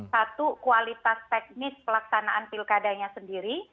satu kualitas teknis pelaksanaan pilkadanya sendiri